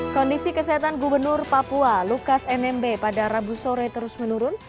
kondisi kesehatan gubernur papua lukas nmb pada rabu sore terus menurun